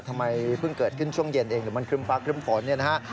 ทำไมเพิ่งเกิดขึ้นช่วงเย็นเองหรือมันครึ่มฟ้าครึ่มฝนเนี่ยนะฮะ